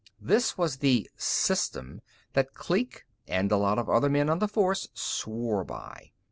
That was the "system" that Kleek and a lot of other men on the Force swore by.